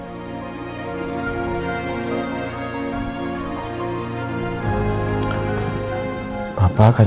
dan mencari penyelesaian